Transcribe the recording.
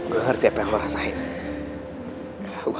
lalu sekarang apa gue pak lopi